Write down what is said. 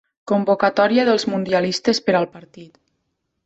Convocatòria dels mundialistes per al partit.